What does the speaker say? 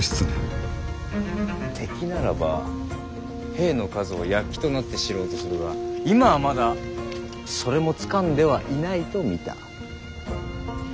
敵ならば兵の数を躍起となって知ろうとするが今はまだそれもつかんではいないと見た。